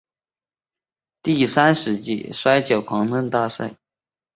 这是送葬者自第三十届摔角狂热大赛以来首次亮相。